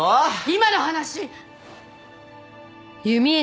今の話。